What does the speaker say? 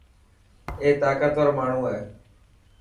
اي طاقتور ماڻهو هي.